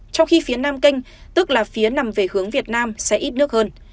trong khi phía nam kênh tức là phía nằm về hướng việt nam sẽ ít nước hơn